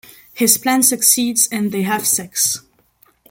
His plan succeeds and they have sex.